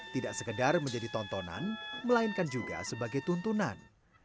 tidak sekedar menjadi tontonan melainkan juga sebagai tuntunan